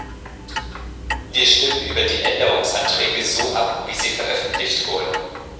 Wir stimmen über die Änderungsanträge so ab, wie sie veröffentlicht wurden.